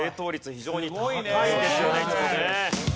非常に高いんですよねいつもね。